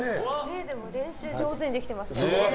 でも練習上手にできていましたよね。